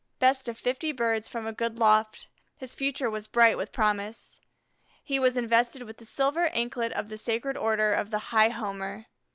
Best of fifty birds from a good loft, his future was bright with promise. He was invested with the silver anklet of the Sacred Order of the High Homer.